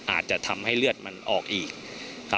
อาจจะทำให้เลือดมันออกอีก